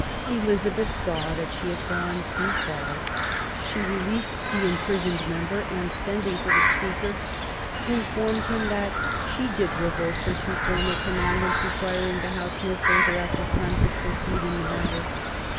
Elizabeth saw that she had gone too far. She released the imprisoned member, and sending for the Speaker, informed him that " she did revoke her two former commandments requiring the House no further at this time to proceed in the matter *'.